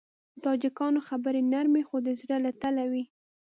د تاجکانو خبرې نرمې خو د زړه له تله وي.